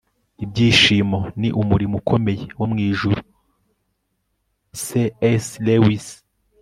ibyishimo ni umurimo ukomeye wo mu ijuru - c s lewis